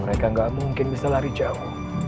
mereka nggak mungkin bisa lari jauh